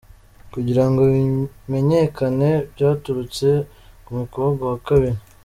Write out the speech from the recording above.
Kugirango bimenyekane byaturutse ku mukobwa wa kabiri.